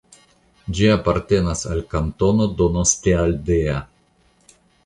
Ĝi apartenas al Kantono Donostialdea.